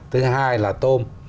thứ hai là tôm